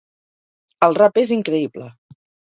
El rap és increïble.